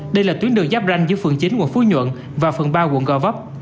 đây là tuyến đường giáp ranh giữa phường chín quận phú nhuận và phần ba quận gò vấp